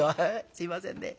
「すいませんね。